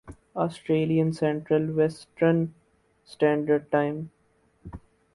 Australian central western standard time